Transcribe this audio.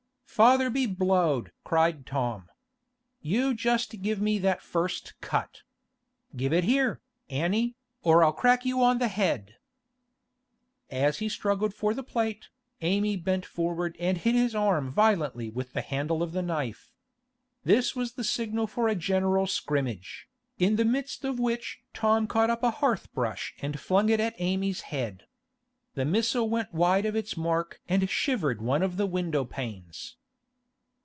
'Father be blowed!' cried Tom. 'You just give me that first cut. Give it here, Annie, or I'll crack you on the head!' As he struggled for the plate, Amy bent forward and hit his arm violently with the handle of the knife. This was the signal for a general scrimmage, in the midst of which Tom caught up a hearth brush and flung it at Amy's head. The missile went wide of its mark and shivered one of the window panes.